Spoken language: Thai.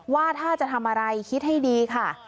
ว่าถ้าจะทำอะไรคิดให้ดีค่ะ